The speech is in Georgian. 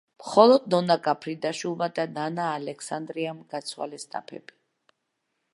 მხოლოდ ნონა გაფრინდაშვილმა და ნანა ალექსანდრიამ გაცვალეს დაფები.